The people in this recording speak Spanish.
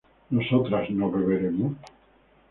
¿nosotras no beberemos?